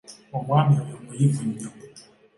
Omwani oyo muyivu nnyo.